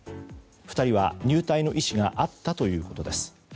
２人は入隊の意思があったということです。